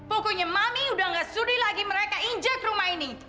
pokoknya mami udah gak sulit lagi mereka injek rumah ini